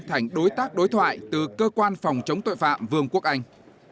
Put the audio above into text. thành đối tác đối thoại từ cơ quan phòng chống tội phạm vương quốc anh